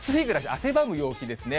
汗ばむ陽気ですね。